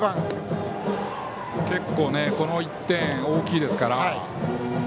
結構、この１点は大きいですから。